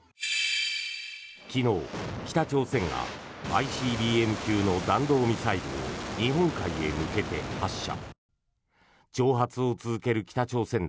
昨日、北朝鮮がＩＣＢＭ級の弾道ミサイルを日本海に向けて発射。